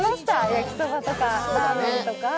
焼きそばとかラーメンとか。